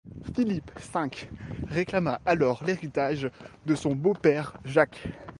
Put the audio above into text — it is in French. Philippe V réclama alors l’héritage de son beau-père Jacques.